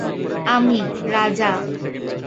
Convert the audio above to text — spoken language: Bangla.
আমি, রাজা।